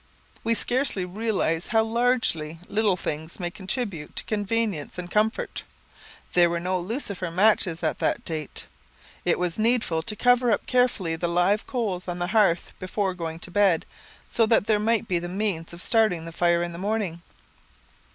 We scarcely realize how largely little things may contribute to convenience and comfort. There were no lucifer matches at that date. It was needful to cover up carefully the live coals on the hearth before going to bed, so that there might be the means of starting the fire in the morning.